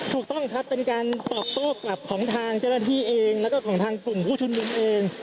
ถูกต้องครับเป็นการตอบโต้กลับของทางเจ้าหน้าที่เองแล้วก็ของทางกลุ่มผู้ชุมนุมเอง